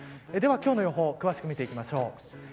では今日の予報詳しく見ていきましょう。